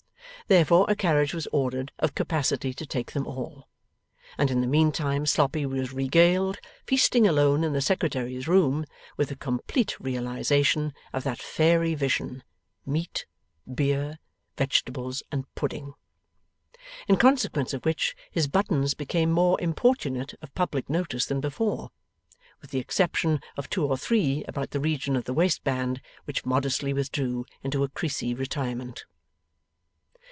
Therefore a carriage was ordered, of capacity to take them all, and in the meantime Sloppy was regaled, feasting alone in the Secretary's room, with a complete realization of that fairy vision meat, beer, vegetables, and pudding. In consequence of which his buttons became more importunate of public notice than before, with the exception of two or three about the region of the waistband, which modestly withdrew into a creasy retirement.